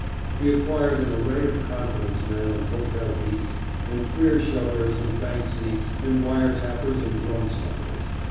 He acquired an array of confidence men and hotel beats and queer shovers and bank sneaks and wire tappers and drum snuffers.